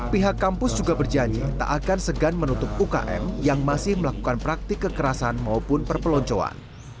pihak kampus juga berjanji tak akan segan menutup ukm yang masih melakukan praktik kekerasan maupun perpeloncoan